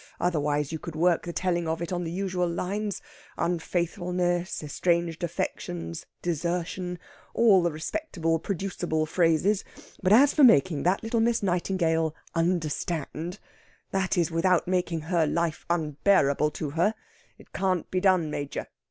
Otherwise, you could work the telling of it on the usual lines unfaithfulness, estranged affections, desertion all the respectable produceable phrases. But as for making that little Miss Nightingale understand that is, without making her life unbearable to her it can't be done, Major.